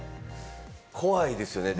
怖いですよね。